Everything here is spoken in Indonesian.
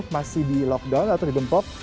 masih di lockdown atau di dempop